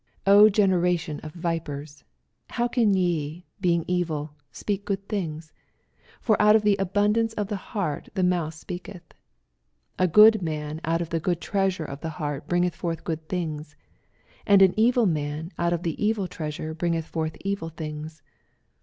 84 generation of vipers, how can ye, being evil, speak good things ! for out of the abundance of the heart the month speaketh. 85 A good man out of the good treasure of the heart bringeth forth good things : and an evil man out of the evil treasure bringeth forth evil things.